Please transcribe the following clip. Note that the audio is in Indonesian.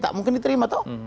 tak mungkin diterima tahu